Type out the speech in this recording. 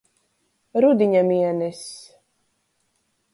Rudiņa mieness.